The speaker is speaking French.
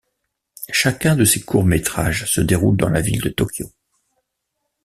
Chacun de ces courts-métrages se déroule dans la ville de Tokyo.